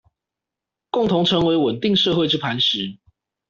共同成為穩定社會之磐石